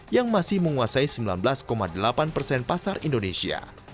yang masih menguasai sembilan belas delapan persen pasar indonesia